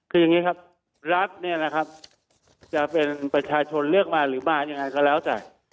คืออย่างนี้ครับรัฐเนี่ยนะครับจะเป็นประชาชนเลือกมาหรือมายังไงก็แล้วแต่